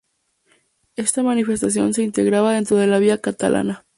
Esta manifestación se integraba dentro de la Via Catalana.